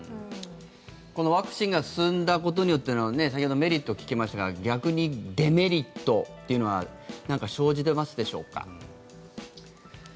ワクチンが進んだことによっての先ほど、メリット聞きましたから逆にデメリットというのは何か生じてますでしょうか。